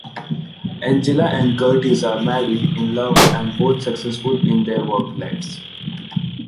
Angela and Curtis are married, in love and both successful in their work lives.